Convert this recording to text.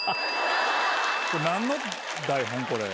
何の台本？これ。